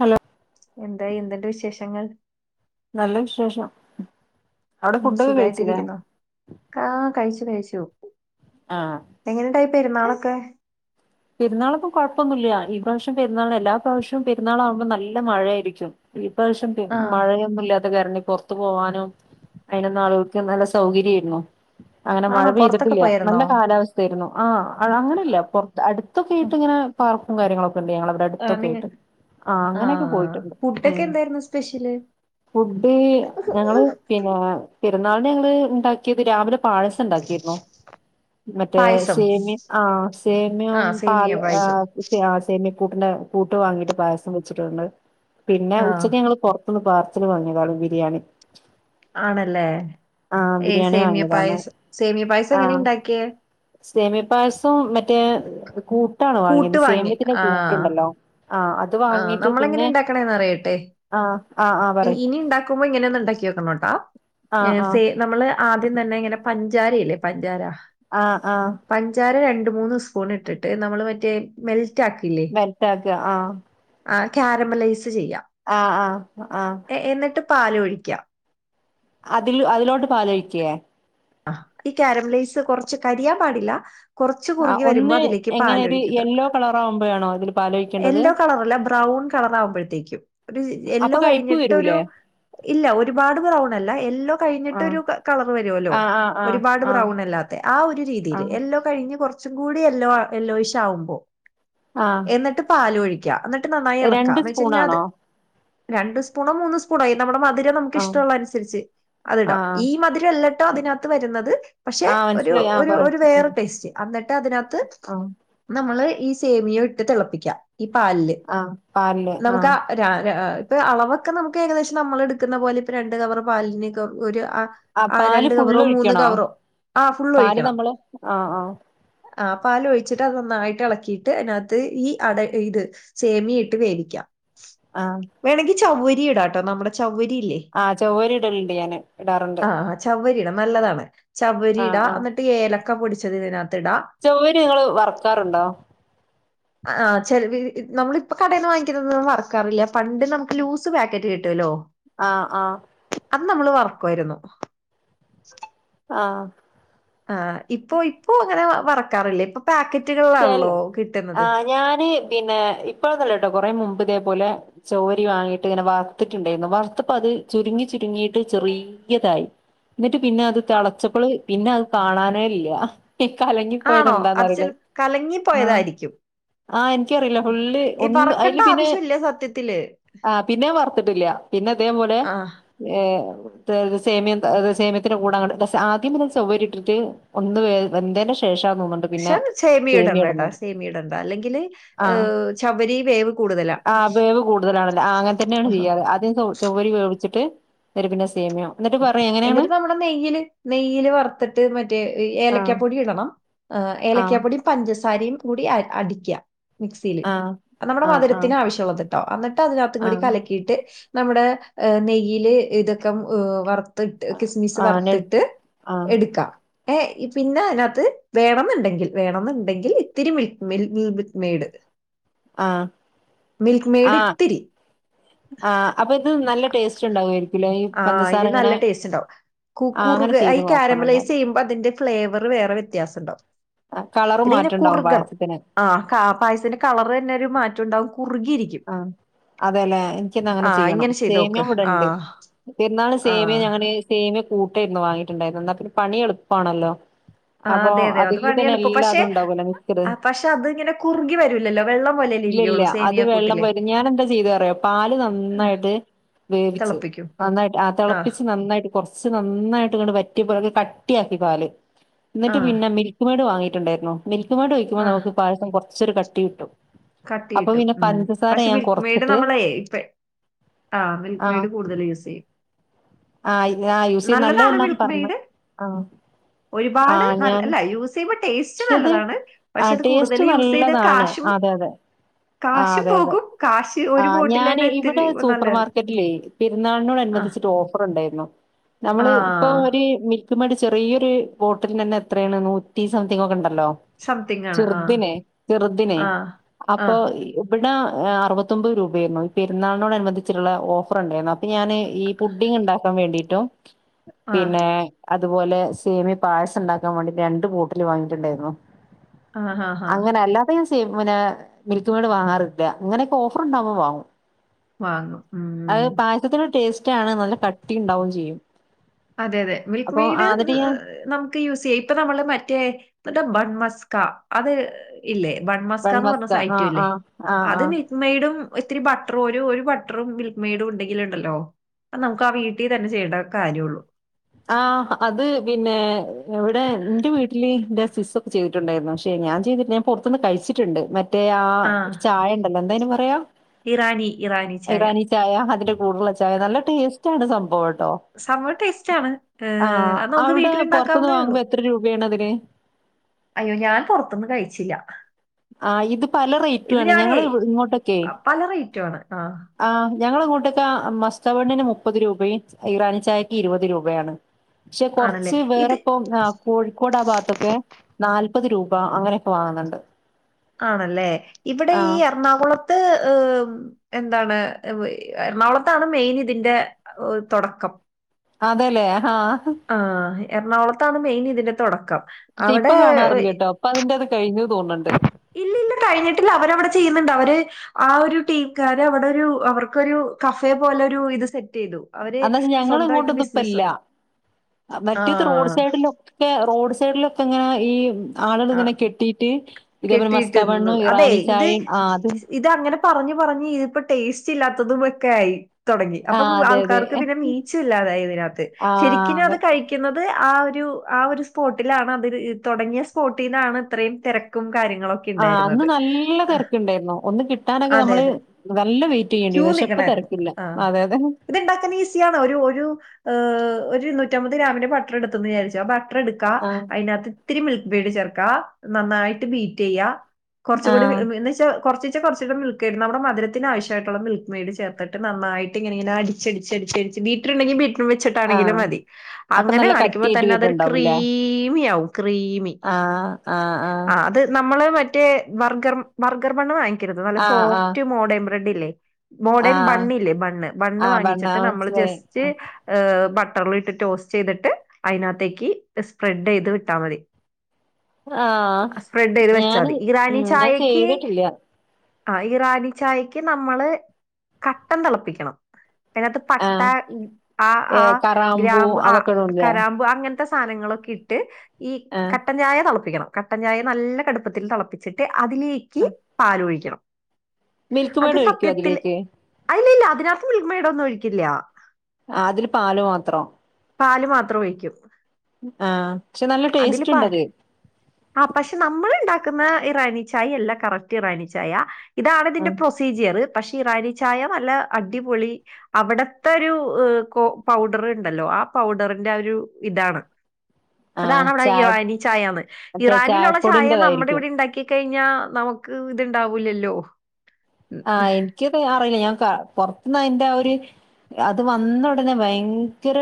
Hello എന്തായി എന്ത്‌ണ്ട് വിശേഷങ്ങൾ? നല്ല വിശേഷം. അവിടെ ഉം ഫുഡൊക്കെ കഴിച്ചില്ലേ? സുഖായിട്ടിരിക്കുന്നു ആ കഴിച്ചു കഴിച്ചു. ആഹ്. എങ്ങനെണ്ടായി പെര്ന്നാളൊക്കെ? പെര്ന്നാളൊക്കെ കൊഴപ്പൊന്നുല്ല. ഇപ്രാശ്യം പെരുന്നാള്ന് എല്ലാ പ്രാവശ്യവും പെരുന്നാളാവ്മ്പോ നല്ല മഴായിരിക്കും. ഈ പ്രാവശ്യം പെര് ആ മഴയ ഒന്നൂല്ലാത്ത കാരണം പൊറത്ത് പോവാനും അയ്നൊന്നും ആളുകൾക്ക് നല്ല സൗകര്യേയിരുന്നു. അങ്ങനെ മഴ ആണോ പുറത്തൊക്കെ പെയ്തിട്ടില്ല. നല്ല പോയായിരുന്നോ കാലാവസ്ഥ ത്തേര്ന്നു. ആഹ് അത് അങ്ങനെല്ല. പൊറത്ത് അടുത്തൊക്കേയിട്ട് ഇങ്ങനെ പാർക്കും കാര്യങ്ങളൊക്കെ ഇണ്ട് ഞങ്ങളവിടെ. ആ നിങ്ങ അടുത്തൊക്കായിട്ട്. ആഹ് ആ അങ്ങനെയൊക്കെ പോയിട്ടുണ്ട്. ഫുഡൊക്കെ ഉം. എന്തായിരുന്നു സ്പെഷ്യല് ഫുഡ് ഞങ്ങള് പിന്നെ പെരുന്നാളിന് ഞങ്ങള് ഇണ്ടാക്കിയത് രാവിലെ പായസം ഇണ്ടാക്കിയിരുന്നു. മറ്റേ പായസം സേമ്യം ആഹ്, ആ സേമിയോം സേമിയ പാല് പായസം ആഹ് ക്ക് ആഹ് സേമിയക്കൂട്ടിന്റെ കൂട്ട് വാങ്ങിട്ട് പായസം വെച്ചിട്ടുണ്ട്. പിന്നെ ആ ഉച്ചക്ക് ഞങ്ങള് പൊർ ത്ത്ന്ന് പാർസല് വങ്ങിയതാണ് ബിരിയാണി. ആണല്ലേ? ആഹ് ഈ ബിരിയാണി സേമിയ വാങ്ങിയതാണ് പായസ് സേമിയ പായസം എങ്ങനെ ഇണ്ടാക്കിയേ? സേമ്യപായസം മറ്റേ കൂട്ടാണ് കൂട്ട് വാങ്ങിയത് വാങ്ങി സേമ്യത്തിന്റെ കൂട്ട്ണ്ടല്ലോ? ആഹ്. ആഹ് വാങ്ങിട്ട് നമ്മളെങ്ങനെ പിന്നെ ഇണ്ടാക്കണേന്ന് അറിയട്ടെ. ആഹ് ആഹ് ആഹ് ഇ പറയ് ഇനി ഇണ്ടാക്കുമ്പോ ഇങ്ങനൊന്ന് ഇണ്ടാക്കിയോക്കണം ട്ടോ. ആഹ് യെസ് ആഹ് സേ നമ്മള് ആദ്യം തന്നെ ഇങ്ങനെ പഞ്ചാരയില്ലേ പഞ്ചാര? ആഹ് ആഹ്. പഞ്ചാര രണ്ട് മൂന്ന് സ്പൂണ് ഇട്ടിട്ട് നമ്മള് മറ്റേ മെൽറ്റാക്കില്ലേ? മെൽറ്റാക്ക ആഹ്. ആ ക്യാരമലൈസ് ചെയ്യാ. ആഹ് ആഹ്, ആഹ്. എ എന്നിട്ട് പാലൊഴിക്ക. അതിൽ അതിലോട്ട് പാലൊഴിക്കേ? ആഹ്. ഈ ക്യാരമലൈസ് കൊർച്ച് കരിയാൻ പാടില്ല. കൊറച്ച് കുറുകി വരുമ്പോ അതിലേക്ക് പാലൊഴിക്കുക. കളറാവുമ്പഴാണോ അതി യെല്ലോ കളറല്ലേ ബ്രൗൺ കളറാവുമ്പഴ്ത്തേക്കും. ഒരു അപ്പൊ യെല്ലോ കയ്പ്പ് കഴിഞ്ഞിട്ടൊരു വരൂലേ ഇല്ല ഒരുപാട് ബ്രൗണല്ല. യെല്ലോ ആ കഴിഞ്ഞിട്ടൊരു ക കളറ് വരോല്ലോ? ആ ആ ആ ഒരുപാട് ആ ബ്രൗണല്ലാ ത്തെ ആഹ് ഒരു ആ രീതിയില് എല്ലോ കഴിഞ്ഞ് കൊറച്ചും കൂടി എല്ലോ എല്ലോയിശ് ആവുമ്പോ ആഹ് എന്നിട്ട് പാലൊഴിക്ക എന്നിട്ട് നന്നായി ഇളക്ക രണ്ട് എന്ന് വെച്ച അത് സ്പൂണാണോ രണ്ട് സ്പൂണോ മൂന്ന് സ് കുറയും നമ്മുടെ മധുരം നമുക്ക് ആ ഇഷ്ടള്ള അനുസരിച്ച് അത് ആ ഇടാം ഈ മധുരല്ലട്ടോ ഇതിനകത്ത് വരുന്നത്. പക്ഷെ ആ ഒരു മനസ്സിലായി ആ ഒരു പറ ഒര് വേറെ ഉം ടേസ്റ്റ് എന്നിട്ട് അതിനകത്ത് ആ നമ്മള് ഈ സേമിയെട്ട് തെളപ്പിക്കാ ഈ പാലില് ആ പാലില് നമുക്ക് ആ രാ ഇപ്പൊ അളവൊക്കെ നമുക്ക് ഏകദേശം നമ്മൾ എടുക്കുന്ന പോലെ ഇപ്പൊ രണ്ട് കവറ് പാലിന്ക്കെ ഒരു അ ആ ആഹ് പാല് രണ്ട് ഫുള്ള് കവറോ മൂന്ന് ഒഴിക്കണോ കവറോ ആഹ് ഫുള്ള് പാല് ഒഴിക്കണം. നമ്മള് ആ ആ ആഹ് പാൽ ഒഴിച്ചിട്ട് അത് നന്നായിട്ട് എളക്കിയിട്ട് അതിന ത്ത് ഈ അട ഇത് സേമിയിട്ട് വേവിക്കാം. ആഹ് വേണങ്കി ചൗവരി ഇടാട്ടോ നമ്മുടെ ചൗവരില്ലേ ആഹ് ചവ്വരി ഇടലുണ്ട് ഞാന് ഇടാറുണ്ട് ചവ്വരിടാ നല്ലതാണ് ആ ചവ്വരിടാ ആ എന്നിട്ട് ഏലക്ക പൊടിച്ചത് ഇതിനകത്ത് ഇടാ ചവ്വരി നിങ്ങള് വറുക്കാറുണ്ടോ? ആഹ് ചെലര് നമ്മളിപ്പൊ കടേന്ന് വാങ്ങിക്കുന്നേന്നും വറ്ക്കാറില്ല പണ്ട് നമുക്ക് ലൂസ് പാക്കറ്റ് കിട്ടുവല്ലോ ആഹ് ആഹ് അത് നമ്മള് വറുക്കുവായിരുന്നു. ആഹ് ആഹ് ഇപ്പൊ ഇപ്പൊ അങ്ങനെ മറക്കാറില്ലേ ഇപ്പൊ [unintelligible] പാക്കറ്റുകളിലാണല്ലോ കിട്ടുന്നത്. ആഹ് ഞാന് പിന്നെ ഇപ്പഴൊന്നും അല്ലട്ടോ കൊറെ മുമ്പ് ഇതേ പോലെ ചവ്വരി വാങ്ങിയിട്ട് ഇങ്ങനെ വറുത്തിട്ടുണ്ടായിരുന്നു വറുത്തപ്പത് ചുരുങ്ങി ചുരുങ്ങിയിട്ട് ചെറി യതായി എന്നിട്ട് പിന്നെ അത് ആ- തെളച്ചപ്പള് പിന്നെ അത് കാണാനേ ഇല്ല. ഈഹ് കലങ്ങി പോയത് ആണോ അത് ചെല എന്താന്നറിയില്ലേ കലങ്ങിപ്പോയതായിരിക്കും. ആഹ് എനിക്കറിയില്ല ഫുള്ള് ഈ ഒന്ന് വറക്കണ്ട അയില് പിന്നെ ആവശ്യല്ല സത്യത്തില് ആഹ് പിന്നെ ഞാൻ വറുത്തിട്ടില്ല. പിന്നെ അതേ പോലെ ആഹ് ഏഹ് [unintelligible] സേമിയതാ സേമ്യത്തിന്റെ കൂടെ അങ്ങട്ട് [unintelligible] ആദ്യം തന്നെ ചവ്വരി ഇട്ടിട്ട് ഒന്ന് വേ വെന്തേനു ശേഷാ തോന്നുന്നുണ്ട് പിന്നെ പക്ഷെ സേമിയ ഇടണ്ടട്ടാ സേമിയ ഇടണ്ട അല്ലെങ്കില് ആഹ് ഏഹ് ചവ്വരി വേവ് കൂടുതലാ ആഹ് വേവ് കൂടുതലാണല്ലോ ആഹ് അങ്ങനെ തന്നെയാണ് ചെയ്യാറ് ആദ്യം ചവ് ചവ്വരി വേവിച്ചിട്ട് അയില് പിന്നെ സേമിയോ എന്നിട്ട് പറയ് എങ്ങനെയാണ് എന്നിട്ട് നമ്മടെ നെയ്യില് നെയ്യില് വറുത്തിട്ട് മറ്റേ ആഹ് ഏലക്കപ്പൊടി ഇടണം. ആഹ് ഏലയ്ക്കാ പ്പൊടിയും പഞ്ചസാരയും കൂടി അ അടിക്കാ മിക്സീല് ആഹ് അത് നമ്മുടെ ആഹ് ആഹ് മധുരത്തിന് ആവശ്യള്ളത് ട്ടോ എന്നിട്ട് അതിനകത്തും കൂടി ആഹ് കലക്കീട്ട് നമ്മുടെ ഏഹ് നെയ്യില് ഇതൊക്കെ ഏഹ് വർ ത്തിട്ട് കിസ്മിസ് ആഹ് നെ വറുത്തിട്ട് ആഹ് എടുക്കാം. ഏഹ് പിന്നെ അയിനകത്ത് വേണന്നുണ്ടെങ്കിൽ വേണന്നുണ്ടെങ്കിൽ ഇത്തിരി മിൽക്ക് മിൽക്ക് [unintelligible] മെയ്ഡ് ആഹ് മിൽക്ക് മെയ്ഡ് ആഹ് ഇത്തിരി ആഹ് അപ്പൊ ഇത് നല്ല ടേസ്റ്റ് ഉണ്ടാവൊരി ആഹ് ഇത് നല്ല ടേസ്റ്റ് ഉണ്ടാവും കു ആഹ് അങ്ങനെ കുറുക് ചെയ്ത് ഈ നോക്കണം കാരമലൈസ് എന്നാല് ചെയ്യു മ്പൊ അതിന്റെ ഫ്ലേവറ് വേറെ വ്യത്യാസണ്ടാവും. ആഹ് കളറ് മാറ്റണ്ടാവും പായസത്തിന് ആഹ് ക പായസത്തിന്റെ കളറെന്നെ ഒരു മാറ്റം ഉണ്ടാകും കുറുകിയിരി ആഹ് അതെല്ലേ എനിക്കിന്നങ്ങനെ ആഹ് ചെയ്യണം ഇങ്ങനെ ചെയ്തോക്ക് സെമിയം ഇവിടെണ്ട്. ആഹ് പെരുന്നാളിന് സേമിയ ആഹ് ഞാന് സേമിയ കൂട്ടായിരുന്നു വാങ്ങിട്ടുണ്ടായിരുന്നേ എന്നാ പിന്നെ പണി എളുപ്പാണല്ലോ ആഹ് അപ്പൊ അതെ അതെ അത് അതില് പണി തന്നെ എളുപ്പം എല്ലാ പക്ഷെ ഇതുണ്ടാവുല്ലേ ആഹ് പക്ഷെ അത് ഇങ്ങനെ കുറുകി വരൂലല്ലോ വെള്ളം പോലെ അല്ലേ ഇരിക്കൊള്ളൂ [unintelligible] അത് വെള്ളം വരും ഞാനെന്താ ചെയ്തെ അറിയോ പാല് ആഹ് നന്നായിട്ട് വേവിച്ച് തിളപ്പിക്കും നന്നായിട്ട് ആഹ് തെളപ്പിച്ച് നന്നായിട്ട് കൊറച്ച് നന്നായിട്ട്ങ്ങട് വറ്റിയ പാല് കട്ടിയാക്കി പാല് എന്നിട്ട് ആഹ് പിന്നെ മിൽ ക്ക് മെയ്ഡ് വാങ്ങിട്ടുണ്ടായിരുന്നു മിൽക്ക് മെയ്ഡ് ഒഴിക്കുമ്പോ ആഹ് നമുക്ക് പായസം കൊറച്ചൊരു കട്ടി കിട്ടും കട്ടി അപ്പൊ കിട്ടും പിന്നെ ഉം പഞ്ചസാര പക്ഷെ ഞാൻ മിൽക്ക് മെയ്ഡ് കുറച്ചിട്ട് നമ്മളെ ഇപ്പ ആഹ് മിൽക്ക് മെയ്ഡ് കൂടുതല് യൂസെയ്യും ആഹ് ആയില് ആഹ് യൂസെയ്യും നല്ലതെന്ന മിൽക്ക് പറഞ്ഞ് മെയ്ഡ് ആഹ് ഒരുപാട് നല്ല അല്ല യൂസ് ചെയ്യുമ്പോ ടേസ്റ്റ് പക്ഷേത് നല്ലതാണ് ആ പക്ഷെ അത് കൂടുതൽ ടേസ്റ്റ് യൂസെയ്ത കാശും [inaudible] ആഹ് അതെ അതെ പോകും കാശ് ഒരു ആഹ് ഞാന് ബോട്ടിലെന്നെ ഇത്തിരി ഇവിടെ നല്ല സൂപ്പർ മാർക്കറ്റിലേ പെരുന്നാളിനോട് ആ അനുബന്ധിച്ചിട്ട് ഓ ഫർ ഉണ്ടായിരുന്നു ആ നമ്മള് ഇപ്പൊ ഒരു അതുകു വേണ്ടി ചെറിയൊരു ബോട്ടിലിനു തന്നെ എത്രയാണ് നൂറ്റി സംതിങ് ഒക്കെ ഉണ്ടല്ലോ സംതിങ് ആണ് ആ ചെറുതിനെ ചെറുതിനെ ആ ആ അപ്പൊ ഇവിടെ അറുപത്തൊമ്പത് രൂപായിരുന്നു ഈ പെരുന്നാളിന്നോടാനുബന്ധിച്ചുള്ള ഓഫർ ഉണ്ടായിരുന്നു അപ്പ ഞാന് ഈ ഫു പുഡിങ് ഉണ്ടാക്കാൻ വേണ്ടിട്ടും ആ പിന്നെ അതുപോലെ സേമിയ പായസം ഉണ്ടാക്കാൻ വേണ്ടിട്ട് രണ്ട് ബോട്ടല് വാങ്ങിട്ടുണ്ടായിരുന്നു ആ ആ ആ അങ്ങനെ അല്ലാതെ ഞാൻ സെ പിന്നെ മിൽക്ക്മെയ്ഡ് വാങ്ങാറില്ല അങ്ങനെയൊക്കെ ഓഫർണ്ടാവുമ്പോ വാങ്ങും വാങ്ങും മ്മ് അത് പായസത്തിന് ടേസ്റ്റ് ആണ് നല്ല കാട്ടിണ്ടാവും ചെയ്യും അതെ അതെ മിൽക്ക് അപ്പൊ ആ മെയ്ഡ് എന്നിട്ട് ഞാൻ നമ് പ്പൊ യൂസിയ്യ് ഇപ്പൊ നമ്മള് മറ്റേ ഇപ്പോത് ബൺമസ്ക അത് ഇല്ലേ ബൺ മസ്ക്കാന്നു വെൺമസ്ക ആഹ് പറഞ്ഞഐറ്റോല്ലേ ആഹ് ആഹ് അത് മി ആഹ് മിൽക്ക്മൈടും ഒരിത്തിരി ബട്ടറും ഒരു ഒരു ബട്ടറും മിൽക്ക് മെയ്ഡും ഉണ്ടെങ്കിലുണ്ടല്ലോ അത് നമുക്കാ ആഹ വീട്ടി തന്നെ ചെയ്യേണ്ട കാര്യള്ളു ആഹ് അത് പിന്നെ എവിടെ ന്റെ വീട്ടില് എന്റെ സിസ് ചെയ്തിട്ടുണ്ടായിരുന്നു പക്ഷെ ഞാൻ ചെയ്തിട്ടില്ല ഞാൻ പുറുന്ന് കഴിച്ചിട്ടുണ്ട് മ മറ്റേ ആഹ ആ ഒരു ചായ ഉണ്ടല്ലോ എന്തായന് പറയാ ഇറാനി ഇറാനിച്ചായാ ഇറാനി ചായ അതിന്റെ കൂടുള്ള ചായ നല്ല ടേസ്റ്റാണ് സംഭവംട്ടോ സംഭവം ടേസ്റ്റ് ആണ് ഏഹ് ആഹ അത് നമുക്ക് അവിടെ പൊറത്തുന്നു വീട്ടിലുണ്ടാക്കാവുന്നേ ഉള്ളൂ വാങ്ങുമ്പോ എത്ര രൂപയാണ് അതിന് അയ്യോ ഞാൻ പുറത്തുന്നു കയിച്ചിലാ ആഹ ഇത് പല റേറ്റ്യും ആണ് ഞങ്ങള് ഇങ്ങോട്ടൊക്കെ അ, പല റേറ്റും ആണ് ആ ആഹ ഞങ്ങളെങ്ങോട്ടൊക്കെ മസ്ത ബണ്ണിന് മുപ്പത് രൂപയും ഇറാനി ചായക്ക് ഇരുപത് രൂപയാണ് ക്ഷെ ആണല്ലേ കുറച്ച് ഇത് വേറെപ്പം ആഹ് കോഴിക്കോട് ആഭാഗത്തൊക്കെ നാല്പത് രൂപ അങ്ങനെയൊക്കെ വാങ്ങണ്ണ്ട് ആണല്ലേ ഇവിടെ ഈ എറണാകുളത്ത് ഇഹ് എന്താണ് ഇവ എറണാകുളത്താണ് മെയിൻ ഇതിന്റെ തുടക്കം അതെല്ലേ ആഹ ആഹ് ആഹ് എറണാകുളത്താണ് മെയിൻ ഇതിന്റെ തുടക്കം അവടെ ഇപ്പാ അതിന്റേത് കഴിഞ്ഞു തോന്നുണ്ട് യില്ല യില്ല കഴിഞ്ഞിട്ടില്ല അവരവിടെ ചെയ്യുന്നുണ്ട് അവര് ആഹ ഒരു ടീംക്കാര് അവിടെ ഒരു അവർക്കൊരു കഫേ പോലെ ഒരു ഇത് സെറ്റ് ചെയ്തു അവര് അന്നാ ഞങ്ങളെ സ്വന്തമായിട്ട് ഇങ്ങോട്ടൊന്നും ബിസിനസ് ഇപ്പല്ല തുടങ്ങി ആ മറ്റേത് റോഡ് സൈഡിലൊ ന്റെ റോഡ് സൈഡിലൊക്കൊങ്ങനെ ഈ ആളൊള് ആ ഇങ്ങനെ കിട്ടീട്ട് ഇതേപോലെ കെട്ടിയിട്ട് മസ്ക നിന്നു ബണ്ണും അതെ ഇറാനി ഇത് ചായയും ആഹ അത് ഇത് അങ്ങനെ പറഞ്ഞ് പറഞ്ഞ് ഇതിപ്പോ ടേസ്റ്റ് ഇല്ലാത്തതും ഒക്കെ ആയി തുടങ്ങി അപ്പൊ ആഹ് അതെ അതെ ആൾക്കാർക്ക് പിന്നെ മീച് ഇല്ലാതായിതിനകത്തു ആഹ് ശരിക്കും അതെ അത് കഴി ക്കുന്നത് ആഹ ഒരു ആ ഒരു സ്പോട്ടിലാണ് അത് തുടങ്ങിയ സ്പോട്ടിലാന്ന് ഇത്രയും തിരക്കും കാര്യങ്ങളൊക്കെ ആഹ അന്ന് ഉണ്ടായിരുന്നത് നല്ല ആ, തിരക്കുണ്ടായിരുന്നു ഒന്ന് കിട്ടാനൊക്കെ അതെ നമ്മള് അതെ നല്ല വെയിറ്റ് ചെയ്യേണ്ടിവ പക്ഷെ ഇപ്പൊ തിരക്കുല അതെ അതെ ഇതുണ്ടാക്കാൻ ഈസിയാണ് ഒരു ഒരു ഒരു എഹ് ഒരു ഇരുന്നൂറ്റമ്പത് ഗ്രാമിന്റെ ബട്ടർ എടുത്തന്ന് വിചാരിച്ചോ ബട്ടർ എടുക്കുക ആഹ് അതിനകത്ത് ഇത്തിരി മിൽക്ക് ബേഡ് ചേർക്ക നന്നായിട്ട് ബീറ്റ് ചെയ്യ കുറച്ച് കൂടി ആഹ് എന്നച്ചാ കൊർച്ചീച്ചെ കൊർച്ചീച്ചെ മിൽക്ക് മെയിഡ് നമ്മുടെ മധുരത്തിന് ആവശ്യമായിട്ടുള്ള മിൽക്ക് മെയ്ഡ് ചേർത്തിട്ട് നന്നായിട്ട് ഇങ്ങനെ ഇങ്ങനെ അടി ച്ചടിച്ച് ച്ചടിച്ച് ബീട്ട്ർണ്ടെങ്കിൽ ബീറ്റ് റും വെച്ചിട്ടാണെങ്കിലും ആഹ് മതി അപ്പൊ അങ്ങനെ നല്ല അടിക്കുമ്പോ കട്ടിയായിട്ട് തന്നെ അതൊരു വരുണ്ടാവൂല്ലേ? ക്രീമിയാകും ക്രീമി ആഹ് അത് നമ്മള് മറ്റ് മറ്റേ ബർഗർ ബർഗർ ബണ്ണ് വാങ്ങിക്കരുത് നല്ല ആഹ് ആഹ് സോഫ്റ്റ് മോഡേം ബ്രെഡ് ഇല്ലേ മോഡേൺ ആഹ് ബണ്ണില്ലേ ബണ്ണ് ബണ്ണ് ആഹ് പറഞ്ഞ വാങ്ങിച്ചിട്ട് നമ്മള് മനസ്സിലായി. ജസ്റ്റ് ഹ് ബട്ടറിലിട്ട് ടോസ്റ്റ് ചെയ്തിട്ട് അതിനകത്തേക്ക് സ്പ്രെഡ് ചെയ്ത് വിട്ടാൽ മതി ആഹ് സ്പ്രെഡ് ചെയ്ത് വെച്ചാ ഞാന് മതി ഇറാനി ഉം ഞാൻ ചായക്ക് ചെയ്തിട്ടില്ല. ആഹ് ഇറാനി ചായക്ക് നമ്മള് കട്ടൻ തിളപ്പിക്കണം അതിനകത്ത് പട്ട ആഹ് ആഹ് ഏഹ് ആഹ് കറാമ്പൂ ഗ്രാമ്പ് ആഹ് അതൊക്കെ ഇടൂല്ലേ? കരാമ്പ് അങ്ങനത്തെ ത്തെ സാധനങ്ങളൊക്കെ ഇട്ട് ഈ ആഹ് കട്ടൻ ചായ തിളപ്പിക്കണം കട്ടൻ ചായ നല്ല കടുപ്പത്തിൽ തളപ്പി ച്ചിട്ട് അതിലേക്ക് ആഹ് പാലൊഴിക്കണം മിൽക്ക് അത് മെയ്ഡ് ഒഴിക്കോ സത്യത്തില് അതിലേക്ക്? അയ്ല്ല്യ ഇല്ല അതിനകത്ത് മിൽക്ക് മേഡ്‌ ഒന്നും ഒഴിക്കില്ല അതില് പാല് മാത്രം പാല് മാത്രം ഒഴിക്കും ആഹ് പക്ഷേ നല്ല ടേസ്റ്റ്ണ്ടത് ആഹ് പക്ഷേ നമ്മള്ണ്ടാക്കുന്ന ഇറാനി ചായയല്ല കറക്റ്റ് ഇറാനി ചായ ഇതാണ് ഇതിന്റെ ആഹ് പ്രൊസീജിയർ പക്ഷേ ഇറാനി ചായ നല്ല അടിപൊളി അവിടത്തെ ഒരു കോ പൗഡറ്ണ്ടല്ലോ ആ പൗഡറിന്റെ ആഹ് ഒരു ഇതാണ് ആഹ് അതാണ് അവിടെ ചാ ഇറാനി ചായയാന്ന് ഇറാനിലുള്ള ചായ നമ്മുടെ ചായപ്പൊടിന്റെതായിരിക്കും. ഇവിടെണ്ടാക്കി കഴിഞ്ഞാ നമുക്ക് ഇത്ണ്ടാവൂല്ലല്ലോ ആഹ് എനിക്ക് ത് അറിയില്ല ഞാൻ ക പുറത്ത്ന്നയിന്റെ ഒര് അത് വന്ന ഉടനെ ഭയങ്കര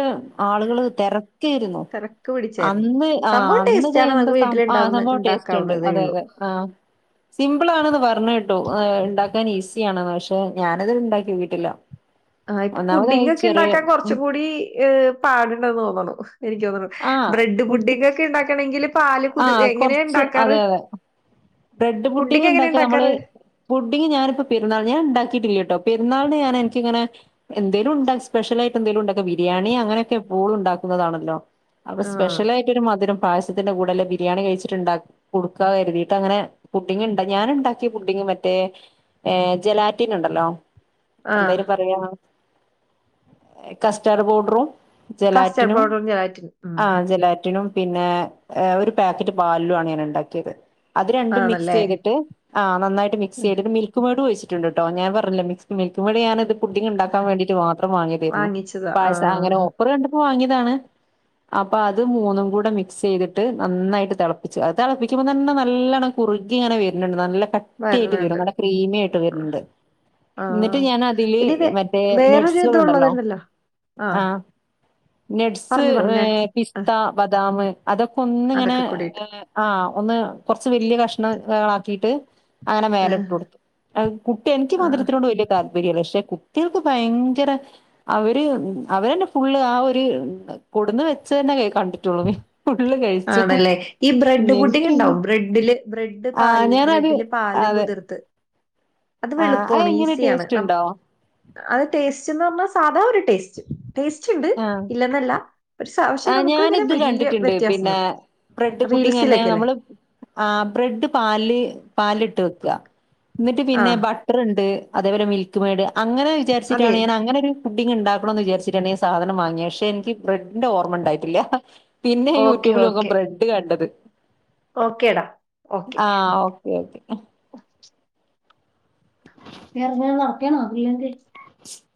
ആളുകള് തെര ക്കേരുന്നു തിരക്ക് പിടിച്ചായിരുന്നു അന്ന് ആഹ് സംഭവം ടേസ്റ്റ് അന്നത് ആണ് എന്ത നമുക്ക് വീട്ടിൽ ഉണ്ടാവുന്ന സംഭവം ടേസ്റ്റ് ഉണ്ട് ഉണ്ടാക്കാവുന്നതേ അതെ ഉള്ളൂ അതെ ആഹ് സിംപിൾ ആണെന്ന് പർഞ്ഞേട്ടു ഉണ്ട ണ്ടാക്കാൻ ഈസിയാണ് പക്ഷേ ഞാനത്ണ്ടാക്കി നോക്കീട്ടില്ല ആഹ് ഇപ്പൊ പുഡിങ്ങിംഗ് ഒക്കെണ്ടാക്കാൻ കുറച്ച് ഉം കൂടി പാടുണ്ടെന്ന് തോന്നണു എനിക്ക് തോന്നണു ആഹ് ബ്രെഡ് ഫുഡ് പുഡിങ്ങൊക്കെ ഉണ്ടാക്കണങ്കില് പാലും ആഹ് കൊർച്ച് അതെ അതെ ബ്രെഡ് പുഡിംഗ് എങ്ങനെയാ ഉണ്ടാക്കല് നമ്മള് ഇണ്ടാക്കാറ് പുഡിംഗ് ഞാനിപ്പ പെരുന്നാൾ ഞാൻ ഉണ്ടാക്കിയിട്ടില്ലട്ടോ പെരുന്നാളിന് ഞാൻ എനിക്കിങ്ങനെ എന്തേലും ഉണ്ട സ്പെഷ്യൽ ആയിട്ട് എന്തേലുണ്ടാക്കും ബിരിയാണി അങ്ങനെയൊക്കെ എപ്പോഴും ഉണ്ടാക്കുന്നതാണല്ലോ അപ്പൊ ആഹ് സ്പെഷ്യലായിട്ട് ഒരു മധുരം പായസത്തിന്റെ കൂടെല്ല ബിരിയാണി കഴിച്ചിട്ടുണ്ടാക്ക കൊടുക്കാ കരുതി ട്ടങ്ങനെ പുഡിംഗ് ഞാന്ണ്ടാക്കിയ പുഡിങ് മറ്റേ ഏഹ് ജലാറ്റീൻ ഉണ്ടല്ലോ എന്താ ആഹ് അയ്ന്‌ പറയാ കസ്റ്റാർഡ് പൗഡറും കസ്റ്റാർഡ് ജലാറ്റിനും പൗഡറും ജെലാറ്റിനും ഉം ആഹ് ജലാറ്റിനും പിന്നെ ഒരു പാക്കറ്റ് പാലിലും ആണ് ഞാന് ഉണ്ടാക്കിയത് അത് രണ്ടും മിക്സ് ആണല്ലേ ചെയ്തിട്ട് ആഹ് നന്നായിട്ട് മിക്സ് ഉം, ചെയ്തിട്ട് മിൽക്ക് ക്ക്മേഡും ഒഴിച്ചിട്ടുണ്ടു കേട്ടോ ഞാൻ പറഞ്ഞില്ലേ മിൽക്ക് മേഡ് ഞാനത് പുഡിങ്ങ് ഉണ്ടാക്കാൻ വേണ്ടിട്ട് മാത്രം വാങ്ങിയതേരുന്നു വാങ്ങിച്ചതാ പായസ ആഹ് അങ്ങനെ ഓഫറ് കണ്ടപ്പോ വാങ്ങിയതാണ് അപ്പ അത് മൂന്നും കൂടെ മിക്സ് ചെയ്തിട്ട് നന്നായിട്ട് തിളപ്പിച്ചു അത് തിളപ്പിക്കുമ്പോ തന്നെ നല്ല നല്ലണ്ണം കുറുകി ഇങ്ങനെ വരുന്നുണ്ട് നല്ല കട്ടിയായിട്ട് വരും വരണുണ്ട് നല്ല ക്രീമിയായിട്ട് വരുന്നുണ്ട് എന്നിട്ട് ആഹ് ഞാൻ അതില് ഇനി വേ മറ്റേ വേറൊരു ഇത് നട്സുകളുണ്ടല്ലോ ഉള്ളതുണ്ടല്ലോ ആഹ് നട്സ് പറഞ്ഞു പറഞ്ഞു പിസ് ത്ത ആഹ് ബദാം അതൊക്കെ ഒന്നിങ്ങനെ അതൊക്കെ കൂടിയിട്ട് ആഹ് ഒന്ന് കൊറച്ച് വല്ല്യ കഷ്ണ ങ്ങളാക്കീട്ട് അങ്ങനെ മേല ആഹ് ഇട്ടൊടുത്തു കുട്ടി എനിക്ക് ആഹ് മതരത്തിനോട് വലിയ താൽപര്യല്ല പക്ഷെ കുട്ട്യാൾക്ക് ഭയങ്കര അവര് അവരന്നെ ഫുള്ള് ആ ഒരു കൊടുന്ന് വെച്ചന്നെ കണ്ടിട്ടൊള്ളൂ ഫുള്ള് കൈ ആണല്ലേ ഈ ബ്രെഡ് പുഡ്ഡിംഗ് ഉണ്ടാവും ബ്രെഡ് ഡില് ബ്രെഡ് പാൽ ആഹ് ഞാനത് ബ്രെഡില് പാല് അതെ കുതിർത്ത് അത് ആഹ് വെളുപ്പാണ് എങ്ങനെ ഈസിയാണ് ടേസ്റ്റ് നം ഉണ്ടോ? അത് ടേസ്റ്റ്ന്ന്റഞ്ഞ സാധാ ഒരു ടേസ്റ്റ് ടേസ്റ്റ്ണ്ട് ആഹ് ഇല്ലെന്നല്ല ഒരു സാവശ്യ ആഹ് നമുക്ക് ഇങ്ങനെ ഞാനിത് വലിയ കണ്ടിട്ടുണ്ട് വ്യത്യാസം പിന്നെ ബ്രെഡ് പുഡ്ഡിംങ്ങന്നെ റീൽസിലൊക്കെല്ലേ നമ്മള് ആ ബ്രെഡ് പാലില് പാല് ഇട്ട് വെക്ക ന്നിട്ട് ആ പിന്നെ ബട്ട ർണ്ട് അതേപോലെ മിൽക്മെയ്ഡ് അങ്ങനെ അതെ വിചാരിച്ചിട്ടാണ് ഞാൻ അങ്ങനെ ഒരു പുഡ്ഡിംഗ് ഉണ്ടാക്കണംന്ന് വിചാരിച്ചിട്ടാണ് ഞാൻ സ സാധനം വാങ്ങിയ പക്ഷെ എനിക്ക് ബ്രെഡിന്റെ ഓർമ്മ ഉണ്ടായിട്ടില്ലേ പിന്നെ ഓക്കെ യൂട്യൂബിൽ നോക്കുമ്പ ഓക്കെ ബ്രെഡ് റഡ് കണ്ടത് ഓക്കേടാ ഓക്കെ ആ ഓക്കെ ഓക്കെ [unintelligible] [unintelligible]